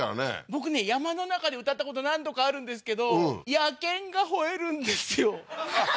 僕ね山の中で歌ったこと何度かあるんですけど野犬がほえるんですよははははっ